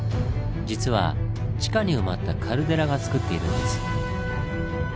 実は地下に埋まったカルデラがつくっているんです。